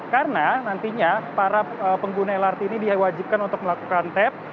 karena nantinya para pengguna lrt ini diwajibkan untuk melakukan tep